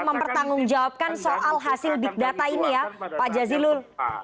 pkb siap mempertanggungjawabkan soal hasil bidata ini ya pak jazilul